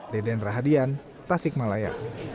deden rahadian tasik malaya